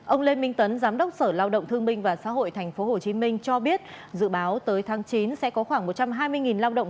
ông lê minh tấn giám đốc sở lao động thương minh và xã hội tp hcm cho biết dự báo tới tháng chín sẽ có khoảng một trăm hai mươi lao động